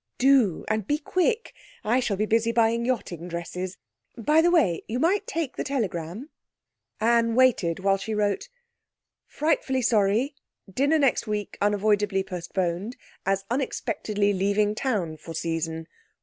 'Do, and be quick; I shall be busy buying yachting dresses. By the way, you might take the telegram.' Anne waited while she wrote 'Frightfully sorry, dinner next week unavoidably postponed as unexpectedly leaving town for season.